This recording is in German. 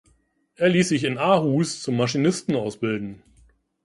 Er ließ sich in Aarhus zum Maschinisten ausbilden.